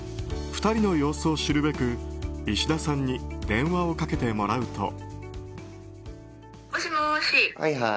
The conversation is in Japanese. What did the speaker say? ２人の様子を知るべくいしださんに電話をかけてもらうと。